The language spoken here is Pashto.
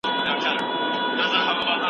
توليد بايد د خلګو له غوښتنې سره برابر وي.